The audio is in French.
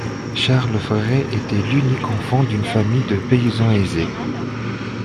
Charles Féré était l'unique enfant d'une famille de paysans aisés.